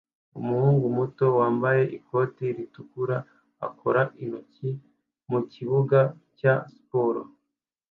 Umuhungu muto wambaye ikoti ritukura akora intoki mukibuga cya siporo